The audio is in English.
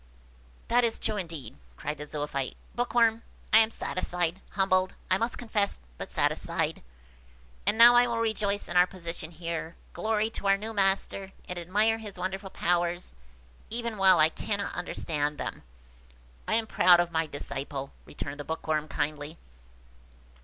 "That is true indeed," cried the Zoophyte. "Bookworm! I am satisfied–humbled, I must confess, but satisfied. And now I will rejoice in our position here, glory in our new master, and admire his wonderful powers, even while I cannot understand them." "I am proud of my disciple," returned the Bookworm kindly.